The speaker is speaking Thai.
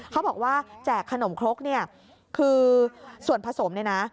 เขาบอกว่าแจกขนมครกเนี่ยคือส่วนผสมเนี่ยนะ